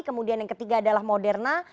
kemudian yang ketiga adalah moderna